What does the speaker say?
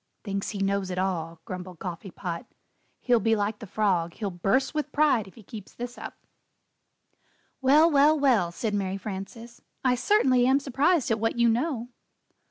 "Thinks he knows it all," grumbled Coffee Pot; "he'll be like the frog; he'll burst with pride if he keeps this up." "Well, well, well!" said Mary Frances, "I certainly am surprised at what you know."